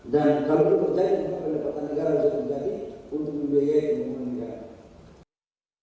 dan kalau dipercaya kelebatan negara sudah terjadi untuk membiayai kebunan negara